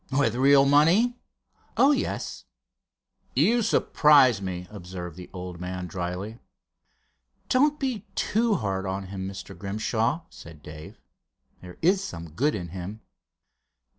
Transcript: "With real money?" "Oh, yes." "You surprise me," observed the old man, drily. "Don't be too hard on him, Mr. Grimshaw," said Dave. "There is some good in him."